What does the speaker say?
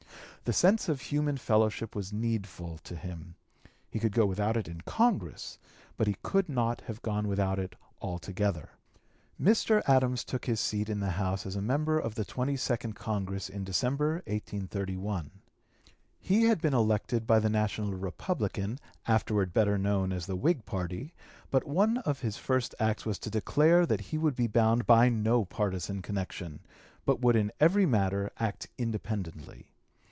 The sense of human fellowship was needful to him; he could go without it in Congress, but he could not have gone without it altogether. Mr. Adams took his seat in the House as a member of the twenty second Congress in December, 1831. He had been elected by the National Republican, afterward better known as the Whig party, but one of (p. 233) his first acts was to declare that he would be bound by no partisan connection, but would in every matter act independently.